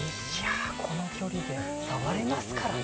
この距離で触りますからね。